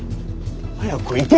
早く行け！